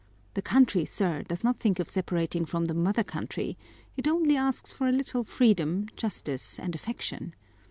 The country, sir, does not think of separating from the mother country; it only asks for a little freedom, justice, and affection.